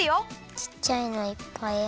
ちっちゃいのいっぱいある。